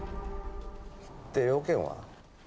で、要件は？